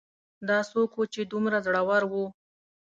دا څوک و چې دومره زړور و